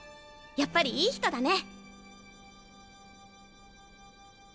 やっぱりいい人だね。